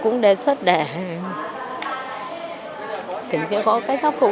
cũng đề xuất để tỉnh tiện có cách phát phục